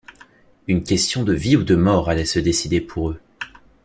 Une question de vie ou de mort allait se décider pour eux